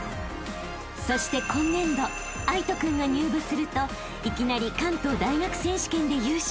［そして今年度藍仁君が入部するといきなり関東大学選手権で優勝］